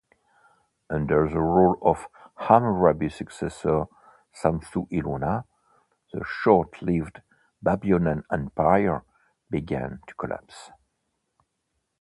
Under the rule of Hammurabi's successor Samsu-iluna, the short-lived Babylonian Empire began to collapse.